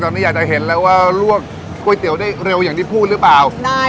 ตอนนี้อยากจะเห็นแล้วว่าลวกก๋วยเตี๋ยวได้เร็วอย่างที่พูดหรือเปล่า